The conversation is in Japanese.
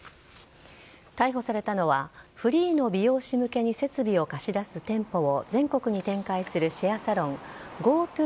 逮捕されたのはフリーの美容師向けに設備を貸し出す店舗を全国に展開するシェアサロン